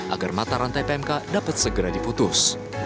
agar mata rantai pmk dapat segera diputus